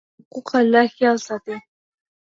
د حقوق الله خیال ساتئ.